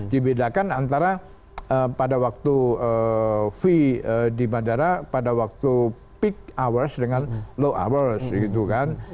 dibedakan antara pada waktu fee di bandara pada waktu peak hours dengan low hours gitu kan